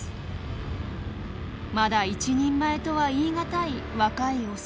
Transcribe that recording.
まだ一人前とは言い難い若いオス。